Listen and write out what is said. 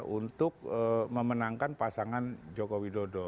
untuk memenangkan pasangan jokowi dodo